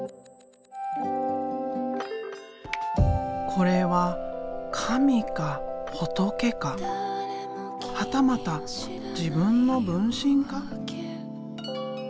これは神か仏かはたまた自分の分身か？